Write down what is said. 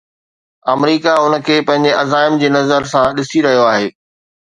آمريڪا ان کي پنهنجي عزائم جي نظر سان ڏسي رهيو آهي.